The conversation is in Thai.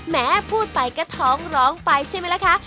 แม้พูดไปก็ท้องร้องไปใช่ไหมล่ะคะ